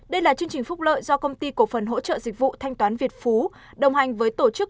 đây là chương trình phúc lợi do công ty cổ phần hỗ trợ dịch vụ thanh toán việt phú đồng hành với tổ chức